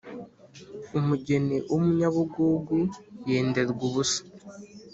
umugeni w'umunyabugugu yenderwa ubusa.